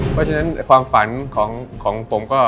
เพราะฉะนั้นความฝันของผมก็